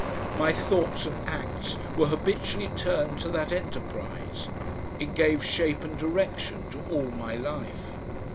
My thoughts and acts were habitually turned to that enterprise; it gave shape and direction to all my life.